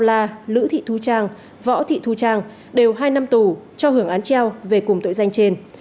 la lữ thị thu trang võ thị thu trang đều hai năm tù cho hưởng án treo về cùng tội danh trên